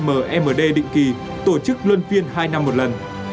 hội nghị asean ammd định kỳ tổ chức luân phiên hai năm một lần